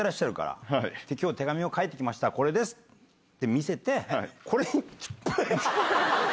「今日手紙を書いて来ましたこれです」って見せてこれに。